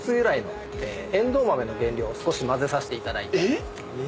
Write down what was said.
えっ？